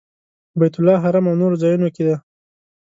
د بیت الله حرم او نورو ځایونو کې.